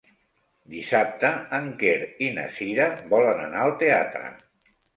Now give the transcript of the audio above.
Dissabte en Quer i na Cira volen anar al teatre.